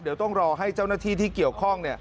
เดี๋ยวต้องรอให้เจ้าหน้าที่ที่เกี่ยวข้อง